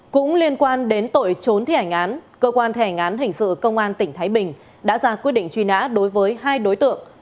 cũng liên quan đến tội trốn thi hành án cơ quan thi hành án hình sự công an tỉnh thái bình đã ra quyết định truy nã đối với hai đối tượng